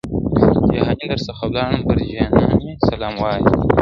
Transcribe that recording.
جهاني در څخه ولاړم پر جانان مي سلام وایه !.